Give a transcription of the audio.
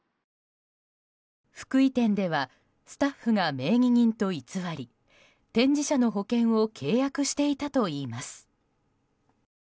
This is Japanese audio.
福井店ではスタッフが名義人と偽り展示車の保険を契約していたといいます。